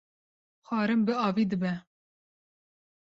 xwarin bi avî dibe